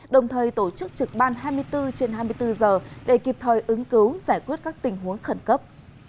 đồng thời tổ chức trực ban hai mươi bốn trên hai mươi bốn giờ để kịp thời ứng cứu giải quyết các tình huống khẩn cấp